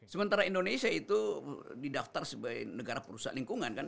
sementara indonesia itu didaftar sebagai negara perusahaan lingkungan kan